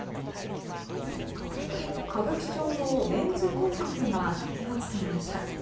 歌舞伎町のメンズコンカフェが摘発されました。